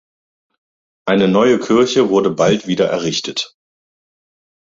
Eine neue Kirche wurde bald wieder errichtet.